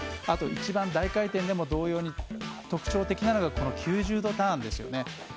あとは一番大回転でも同様に特徴的なのが９０度ターンですね。